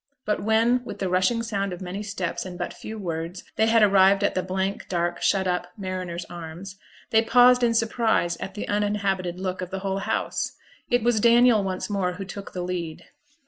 But when, with the rushing sound of many steps and but few words, they had arrived at the blank, dark, shut up Mariners' Arms, they paused in surprise at the uninhabited look of the whole house: it was Daniel once more who took the lead.